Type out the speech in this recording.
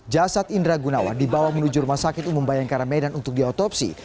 jasad indra gunawan dibawa menuju rumah sakit umum bayangkara medan untuk diotopsi